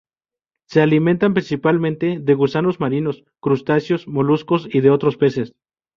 Se alimentan principalmente de gusanos marinos, crustáceos, moluscos, y de otros peces.